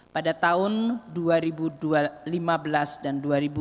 pada tahun dua ribu lima belas dan dua ribu enam belas